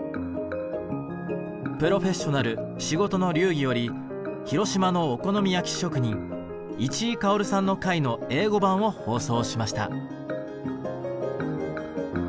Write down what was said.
「プロフェッショナル仕事の流儀」より広島のお好み焼き職人市居馨さんの回の英語版を放送しました。